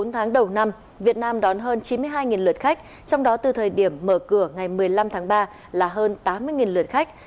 bốn tháng đầu năm việt nam đón hơn chín mươi hai lượt khách trong đó từ thời điểm mở cửa ngày một mươi năm tháng ba là hơn tám mươi lượt khách